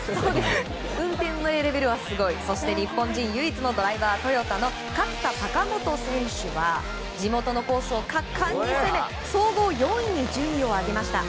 そして、日本人唯一のドライバートヨタの勝田貴元選手は地元のコースを果敢に攻め総合４位に順位を上げました。